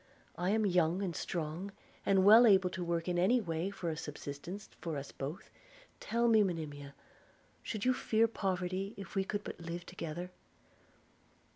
I am young and strong, and well able to work in any way for a subsistence for us both. Tell me, Monimia, should you fear poverty, if we could but live together?'